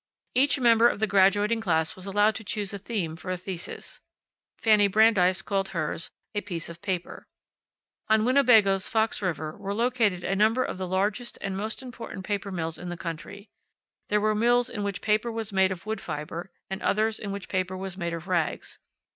Each member of the graduating class was allowed to choose a theme for a thesis. Fanny Brandeis called hers "A Piece of Paper." On Winnebago's Fox River were located a number of the largest and most important paper mills in the country. There were mills in which paper was made of wood fiber, and others in which paper was made of rags.